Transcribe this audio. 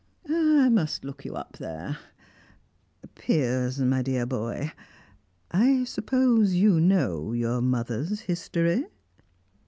"I must look you up there Piers, my dear boy, I suppose you know your mother's history?"